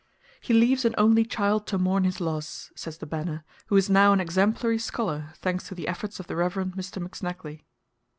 "He leaves an only child to mourn his loss," says the BANNER, "who is now an exemplary scholar, thanks to the efforts of the Rev. Mr. McSnagley."